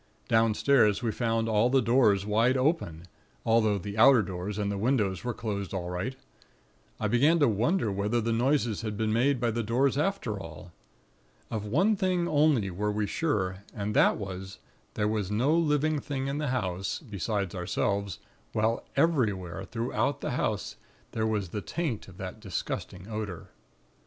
Downstairs we found all the doors wide open; although the outer doors and the windows were closed all right. I began to wonder whether the noises had been made by the doors after all. Of one thing only were we sure, and that was, there was no living thing in the house, beside ourselves, while everywhere throughout the house, there was the taint of that disgusting odor.